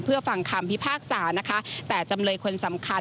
เพื่อฟังคำพิพากษานะคะแต่จำเลยคนสำคัญ